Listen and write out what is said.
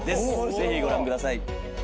ぜひご覧ください。